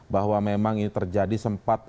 bahwa memang ini terjadi sempat